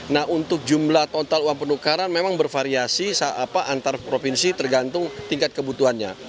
nah untuk jumlah total uang penukaran memang bervariasi antar provinsi tergantung tingkat kebutuhannya